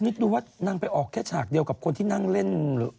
ดูว่านางไปออกแค่ฉากเดียวกับคนที่นั่งเล่น